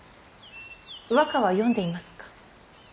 和歌は詠んでいますか。